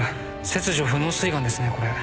切除不能膵がんですねこれ。